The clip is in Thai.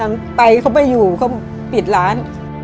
ไปเขาไม่อยู่เขาปิดร้าน